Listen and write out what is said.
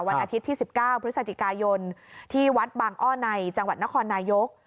วันอาทิตย์ที่๑๙พฤศจิกายนที่วัดบางอ้อในจังหวัดนครนายก